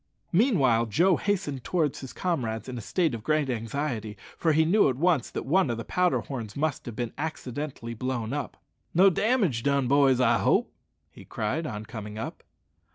Meanwhile Joe hastened towards his comrades in a state of great anxiety, for he knew at once that one of the powder horns must have been accidentally blown up. "No damage done, boys, I hope?" he cried on coming up.